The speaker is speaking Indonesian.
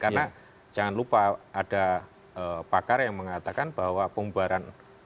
karena jangan lupa ada pakar yang mengatakan bahwa pembaharan